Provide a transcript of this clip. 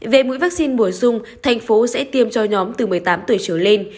về mũi vaccine bổ sung thành phố sẽ tiêm cho nhóm từ một mươi tám tuổi trở lên